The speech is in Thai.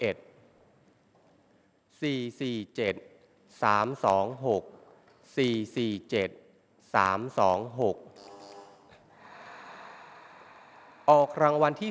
อวที่๔ครั้งที่๒๘